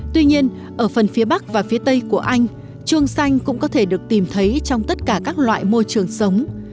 tuy nhiên ở phần phía bắc và phía tây của anh chuông xanh cũng có thể được tìm thấy trong tất cả các loại môi trường sống